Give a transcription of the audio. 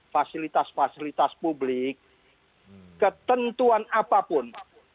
fasilitas fasilitas publik ketentuan apapun